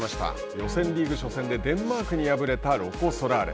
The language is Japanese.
予選リーグ初戦でデンマークに敗れたロコ・ソラーレ。